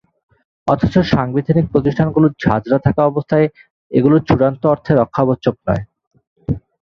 অথচ সাংবিধানিক প্রতিষ্ঠানগুলো ঝাঁঝরা থাকা অবস্থায় এগুলো চূড়ান্ত অর্থে রক্ষাকবচ নয়।